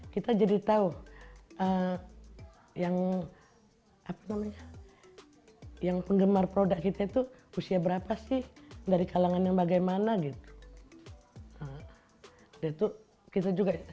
kita jadi tahu yang apa namanya yang penggemar produk kita itu usia berapa sih dari kalangan yang bagaimana gitu